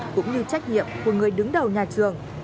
cũng như trách nhiệm của người đứng đầu nhà trường